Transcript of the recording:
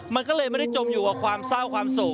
มันก็เลยไม่ได้จมอยู่กับความเศร้าความสุข